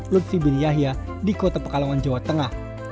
lutfi bin yahya di kota pekalongan jawa tengah